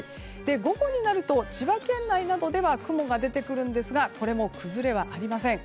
午後になると千葉県内などでは雲が出てくるんですがこれも崩れはありません。